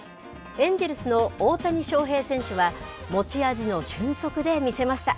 エンジェルスの大谷翔平選手は、持ち味の俊足で見せました。